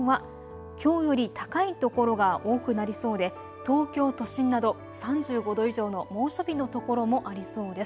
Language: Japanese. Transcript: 最高気温はきょうより高い所が多くなりそうで東京都心など３５度以上の猛暑日の所もありそうです。